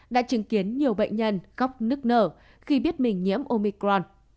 đã chứng kiến nhiều bệnh nhân khóc nức nở khi biết mình nhiễm omicron